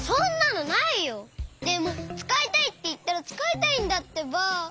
でもつかいたいっていったらつかいたいんだってば！